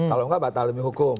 kalau enggak batal demi hukum